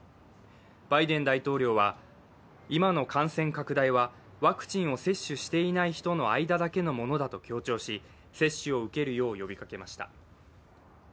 バイデン大統領は今の感染拡大はワクチンを接種していない人の間だけのもだと強調し、接種を受けるよう呼びかけました。